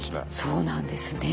そうなんですね。